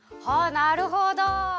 なるほど。